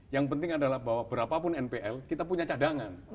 yang penting adalah bahwa berapapun npl kita punya cadangan